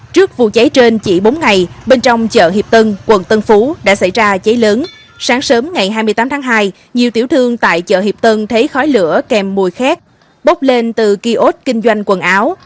trước vụ cháy trên chỉ bốn ngày bên trong chợ hiệp tân quận tân phú đã xảy ra cháy lớn sáng sớm ngày hai mươi tám tháng hai nhiều tiểu thương tại chợ hiệp tân thấy khói lửa kèm mùi khét bốc lên từ kiosk kinh doanh quần áo